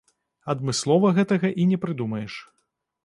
Адмыслова гэтага і не прыдумаеш.